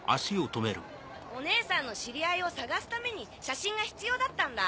おねえさんの知り合いを探すために写真が必要だったんだ。